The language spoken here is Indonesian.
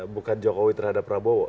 bukan jokowi terhadap prabowo